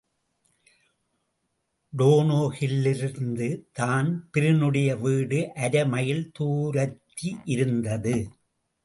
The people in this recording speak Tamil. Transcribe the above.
டோனோஹில்லிருந்து தான்பிரீனுடைய வீடு அரை மையில் தூரத்தி இருந்தது.